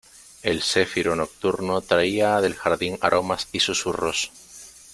el céfiro nocturno traía del jardín aromas y susurros: